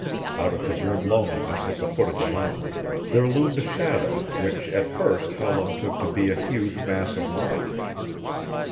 Out of the grim loneliness at the foot of the mountain there loomed a shadow which at first Howland took to be a huge mass of rock.